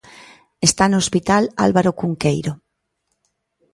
Está no Hospital Álvaro Cunqueiro.